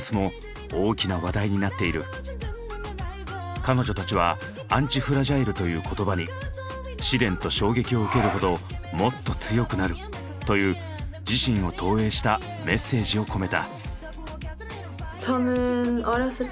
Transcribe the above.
彼女たちは「ＡＮＴＩＦＲＡＧＩＬＥ」という言葉に「試練と衝撃を受けるほどもっと強くなる」という自身を投影したメッセージを込めた。